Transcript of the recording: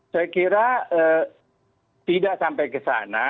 saya kira tidak sampai ke sana